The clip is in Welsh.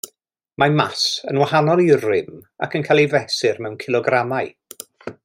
Mae màs yn wahanol i rym ac yn cael ei fesur mewn cilogramau.